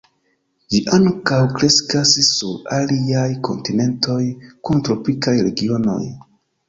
Ĝi ankaŭ kreskas sur aliaj kontinentoj kun tropikaj regionoj.